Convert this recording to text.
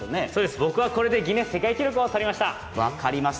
僕はこれで世界記録をとりました。